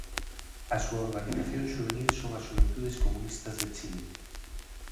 A súa organización xuvenil son as Xuventudes Comunistas de Chile.